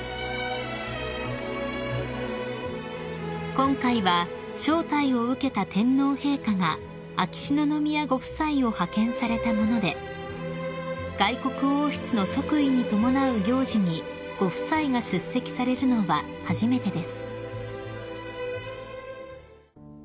［今回は招待を受けた天皇陛下が秋篠宮ご夫妻を派遣されたもので外国王室の即位に伴う行事にご夫妻が出席されるのは初めてです］